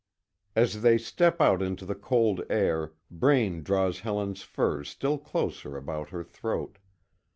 As they step out into the cold air, Braine draws Helen's furs still closer about her throat.